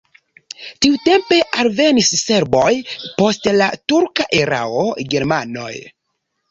Tiutempe alvenis serboj, post la turka erao germanoj.